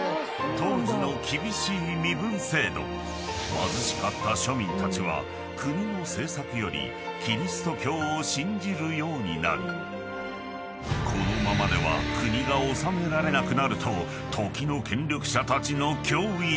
［貧しかった庶民たちは国の政策よりキリスト教を信じるようになりこのままでは国が治められなくなると時の権力者たちの脅威に］